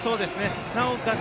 なおかつ